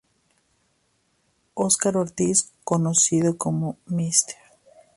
Oscar Ortiz conocido como "“Mr.